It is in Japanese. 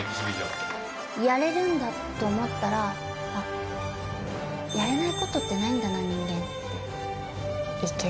やれるんだと思ったら、やれないことってないんだな、人間って。